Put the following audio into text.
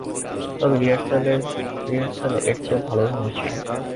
তবে, রিহার্সালে এর চেয়েও ভাল অভিনয় ছিল।